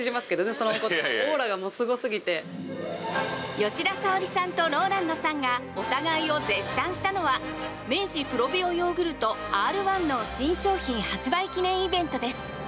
吉田沙保里さんとＲＯＬＡＮＤさんがお互いを絶賛したのは明治プロビオヨーグルトＲ−１の新商品発売記念イベントです。